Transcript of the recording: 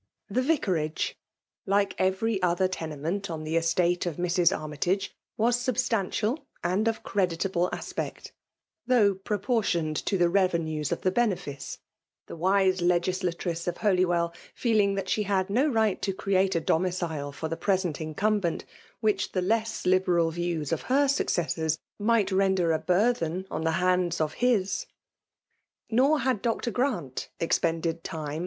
The vicarage, Kke every other tenement on tile estate of Mrs. Armytage, was substantial and of creditable aspect, though proportioned to the revenues of the benefice; — the wise legislatress of Holywell feding that she had no right to create a domieiie for tiie present neunbent, which the less liberal views of Asr sttooessors might render a bortken on tbe 286 FKRTALE DOMINATTON. handB of his. Nor had Dr. Grant expended time.